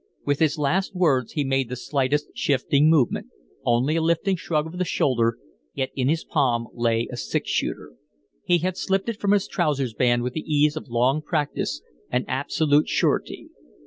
With his last words he made the slightest shifting movement, only a lifting shrug of the shoulder, yet in his palm lay a six shooter. He had slipped it from his trousers band with the ease of long practice and absolute surety.